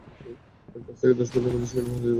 আমি পাঁচ থেকে দশ মিনিটের মধ্যে সেখানে পৌঁছে যাব।